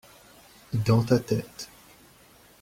Dans ta tête.